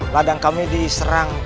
ladang kami diserang